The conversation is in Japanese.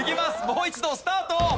もう一度スタート！